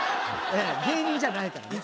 芸人じゃないからね